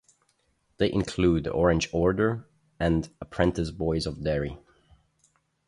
They include the Orange Order and Apprentice Boys of Derry.